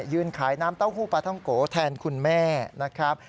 ยืนขายน้ำเต้าหู้ปลาท่องโกแทนคุณแม่นะครับ